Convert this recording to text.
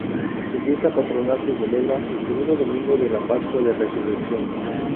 Su fiesta patronal se celebra el segundo domingo de la Pascua de Resurrección.